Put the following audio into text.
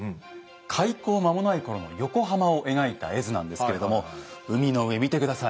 開港間もない頃の横浜を描いた絵図なんですけれども海の上見て下さい。